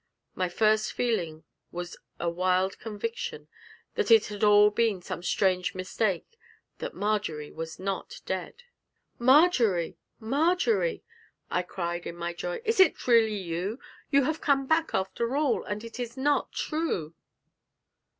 My first feeling was a wild conviction that it had all been some strange mistake that Marjory was not dead. 'Marjory, Marjory!' I cried in my joy, 'is it really you? You have come back, after all, and it is not true!'